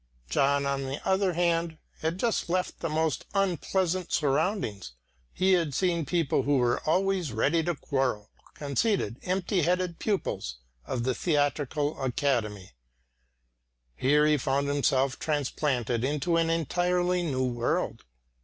John, on the other hand, had just left the most unpleasant surroundings; he had seen people who were always ready to quarrel, conceited, empty headed pupils of the Theatrical Academy. Here he found himself transplanted into an entirely new world.